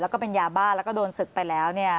แล้วก็เป็นยาบ้าแล้วก็โดนศึกไปแล้วเนี่ย